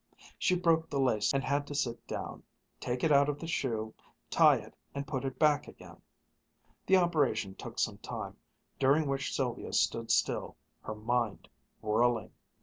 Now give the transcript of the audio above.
She broke the lacing and had to sit down, take it out of the shoe, tie it, and put it back again. The operation took some time, during which Sylvia stood still, her mind whirling.